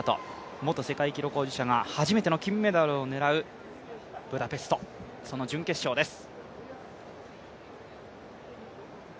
元世界記録保持者が初めての金メダルを狙うブダペスト、その準決勝です。